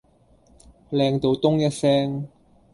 靚到丼一聲